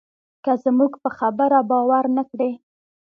که زموږ په خبره باور نه کړې.